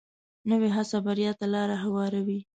نوې هڅه بریا ته لار هواروي